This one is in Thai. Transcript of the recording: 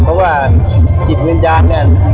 เพราะว่าจิตวิญญาณเนี่ย